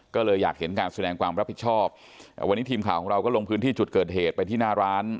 ก็เลยอยากเห็นการแสดงความรับผิดชอบวันนี้ทีมข่าวของเราก็ลงพื้นที่จุดเกิดเหตุไปที่หน้าร้าน